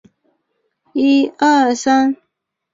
如今的云南驿机场实为原北屯机场。